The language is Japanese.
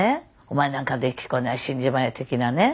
お前なんかできっこない死んじまえ的なね